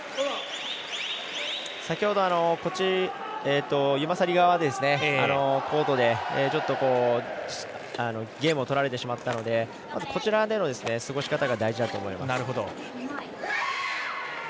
先ほどユマサリ側のコートでゲームをとられてしまったのでこちらでの過ごしかたが大事だと思います。